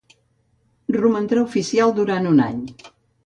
Romandrà oficial durant un any.